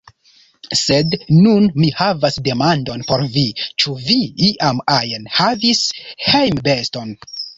Sed nun mi havas demandon por vi, Ĉu vi, iam ajn, havis hejmbeston?